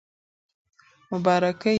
مبارکي